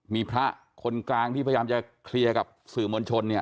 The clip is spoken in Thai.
มีพระคนกลางที่พยายามจะเคลียร์กับสื่อมวลชนเนี่ย